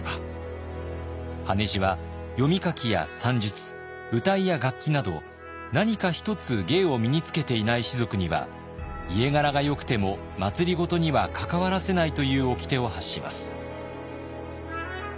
羽地は読み書きや算術謡や楽器など何か一つ芸を身につけていない士族には家柄がよくても政には関わらせないというおきてを発します。